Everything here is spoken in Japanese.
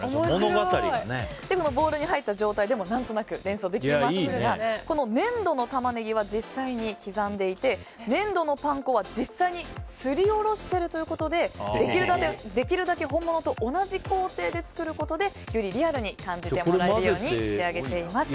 ボウルに入った状態でも何となく連想できますがこの粘土のタマネギは実際に刻んでいて粘土のパン粉は実際にすりおろしているということでできるだけ本物と同じ工程で作ることでよりリアルに感じてもらえるよう仕上げています。